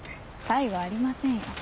他意はありませんよ